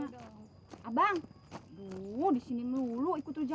dua mu disini mulut ya